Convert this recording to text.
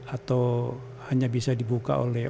atau hanya bisa dibuka oleh